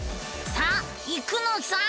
さあ行くのさ！